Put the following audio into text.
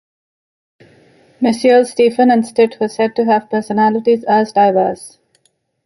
Messrs Stephen and Stitt were said to have personalities as diverse.